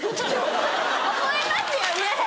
思いますよね！